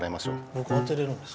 ぼく当てれるんですか？